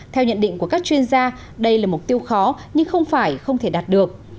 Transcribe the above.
theo nhận định của các chuyên gia đây là mục tiêu khó nhưng không phải không thể đạt được